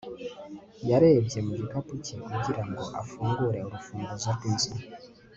yarebye mu gikapu cye kugira ngo afungure urufunguzo rw'inzu